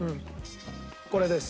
これです。